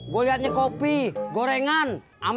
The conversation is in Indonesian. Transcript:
gua liatnya kopi gorengan